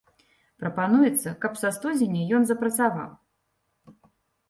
Прапануецца, каб са студзеня ён запрацаваў.